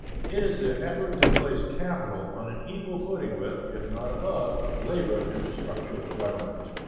It is the effort to place capital on an equal footing with, if not above, labor in the structure of government.